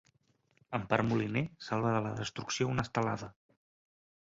Empar Moliner salva de la destrucció una estelada